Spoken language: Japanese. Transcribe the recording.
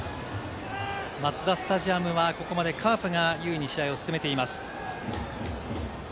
マツダスタジアムは、ここまでカープが優位に試合を進めています。